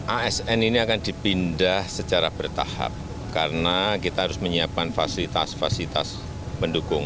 asn ini akan dipindah secara bertahap karena kita harus menyiapkan fasilitas fasilitas pendukung